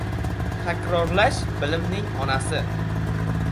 • Takrorlash — bilimning onasi.